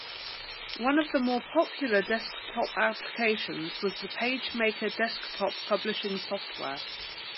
One of the more popular desktop applications was the PageMaker desktop publishing software.